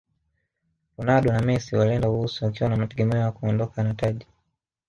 ronaldo na messi walienda urusi wakiwa na mategemeo ya kuondoka na taji